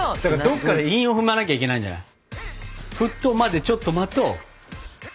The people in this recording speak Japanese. どっかで韻を踏まなきゃいけないんじゃない？